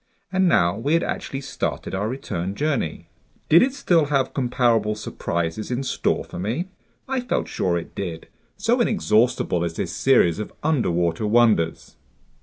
And now we had actually started our return journey. Did it still have comparable surprises in store for me? I felt sure it did, so inexhaustible is this series of underwater wonders!